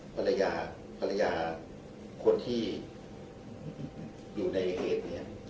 ภรรยาคนที่อยู่ในเหตุ